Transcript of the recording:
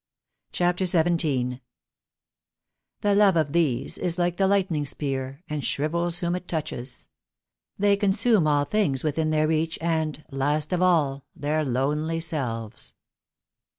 CHAPTER XVII. "The love of these is like the lightning spear, And shrivels whom it touches. They consume All things within their reach, and, last of all, Their lonely selves."